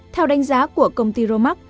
theo đánh giá của công ty romac